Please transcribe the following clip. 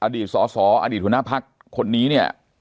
อดีตสออดีตหุณภักษ์คนนี้เนี่ย